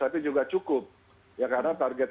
tapi juga cukup ya karena target